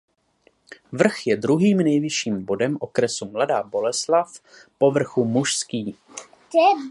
Vrch je druhým nejvyšším bodem okresu Mladá Boleslav po vrchu Mužský.